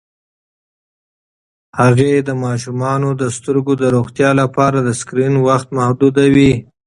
هغې د ماشومانو د سترګو د روغتیا لپاره د سکرین وخت محدودوي.